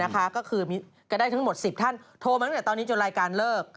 ก็คือจะได้ทั้งหมด๑๐ท่านโทรมาตั้งแต่ตอนนี้จนรายการเลิก